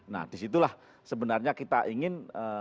nah disitulah sebenarnya kita ingin